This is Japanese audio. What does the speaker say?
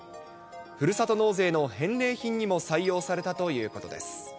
ふるさと納税の返礼品にも採用されたということです。